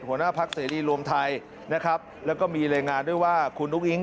หัวหน้าพักเสรีรวมไทยนะครับแล้วก็มีรายงานด้วยว่าคุณอุ้งอิ๊ง